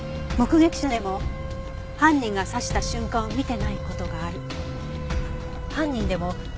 犯人でも自分が刺した瞬間を見てない事がある。